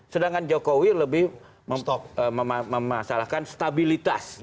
sedangkan jokowi lebih memasalahkan stabilitas